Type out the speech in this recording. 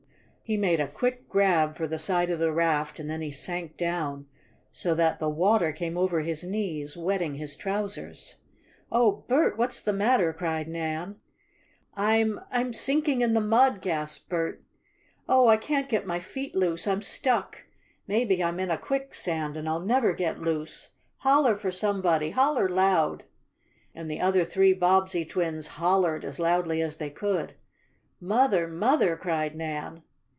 He made a quick grab for the side of the raft and then he sank down so that the water came over his knees, wetting his trousers. "Oh, Bert! what's the matter?" cried Nan. "I I'm sinking in the mud!" gasped Bert. "Oh, I can't get my feet loose! I'm stuck! Maybe I'm in a quicksand and I'll never get loose! Holler for somebody! Holler loud!" And the other three Bobbsey twins "hollered," as loudly as they could. "Mother! Mother!" cried Nan.